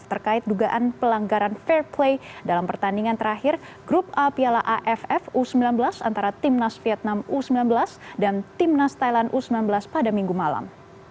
terkait dugaan pelanggaran fair play dalam pertandingan terakhir grup a piala aff u sembilan belas antara timnas vietnam u sembilan belas dan timnas thailand u sembilan belas pada minggu malam